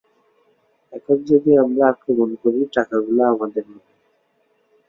এখন যদি আমরা আক্রমণ করি, টাকাগুলো আমাদের হবে।